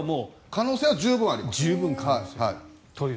可能性は十分あります。